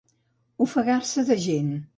Ofegar-se de gent.